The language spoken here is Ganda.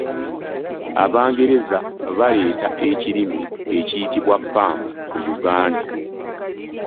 Abangereza baleeta ekirime ekiyitibwa ppamba mu Uganda.